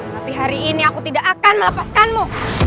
tapi hari ini aku tidak akan melepaskanmu